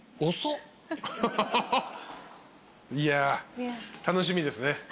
いや楽しみですね。